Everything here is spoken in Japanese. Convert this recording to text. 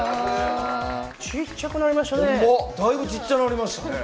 ちっちゃくなりましたね。